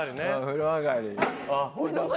風呂上がり。